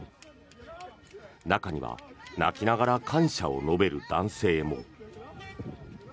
中には、泣きながら感謝を述べる男性も。